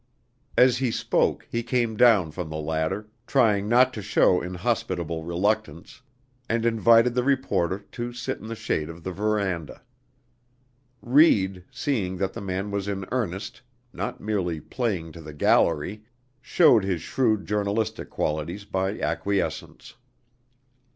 As he spoke he came down from the ladder, trying not to show inhospitable reluctance, and invited the reporter to sit in the shade of the veranda. Reid, seeing that the man was in earnest, not merely "playing to the gallery," showed his shrewd journalistic qualities by acquiescence.